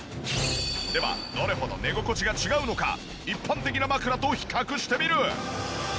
ではどれほど寝心地が違うのか一般的な枕と比較してみる。